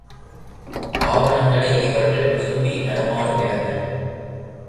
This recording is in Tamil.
ஆவணங்களே இவர்கள் விரும்பி நடமாடும் இடங்கள்.